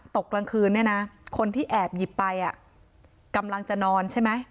กลางคืนเนี่ยนะคนที่แอบหยิบไปกำลังจะนอนใช่ไหม